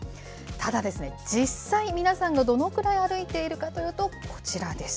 ただですね、実際、皆さんがどのくらい歩いているかというと、こちらです。